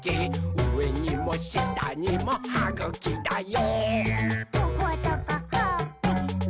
うえにもしたにもはぐきだよ！」